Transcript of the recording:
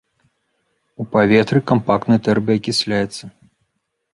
У паветры кампактны тэрбій акісляецца.